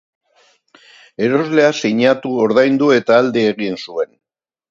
Erosleak sinatu, ordaindu eta alde egin zuen.